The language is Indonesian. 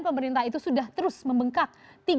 pemerintah itu sudah terus membengkak